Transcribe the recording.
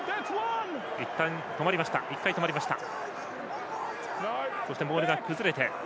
いったん止まりました。